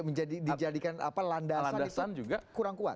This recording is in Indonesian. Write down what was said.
menjadikan landasan kurang kuat